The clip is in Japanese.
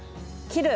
切る。